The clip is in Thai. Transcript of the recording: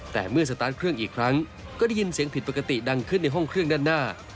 แต่เมื่อสตาร์ทเครื่องอีกครั้งก็ได้ยินเสียงผิดปกติดังขึ้นในห้องเครื่องด้านหน้า